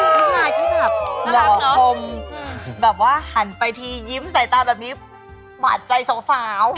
ผู้ชายที่แบบน่ารักชมแบบว่าหันไปทียิ้มใส่ตาแบบนี้หวาดใจสาว